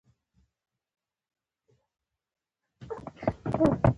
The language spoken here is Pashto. مصنوعي لغتونه تصویر نه لري.